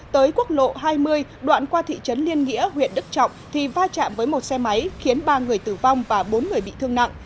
tới quốc lộ hai mươi đoạn qua thị trấn liên nghĩa huyện đức trọng thì va chạm với một xe máy khiến ba người tử vong và bốn người bị thương nặng